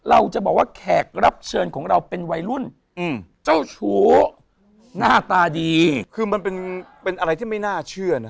เราจะบอกว่าแขกรับเชิญของเราเป็นวัยรุ่นเจ้าชู้หน้าตาดีคือมันเป็นอะไรที่ไม่น่าเชื่อนะ